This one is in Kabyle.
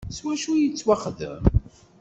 S wacu ay yettwaxdem?